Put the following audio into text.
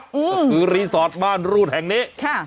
ก็คือรีสอร์ทม่านรูดแห่งนี้